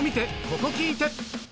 ここ聴いて！